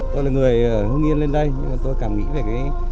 tôi là người ở hưng yên lên đây nhưng tôi cảm nghĩ về cái